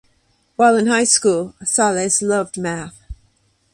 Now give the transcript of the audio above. While in high school Salles loved math.